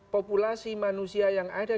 populasi manusia yang ada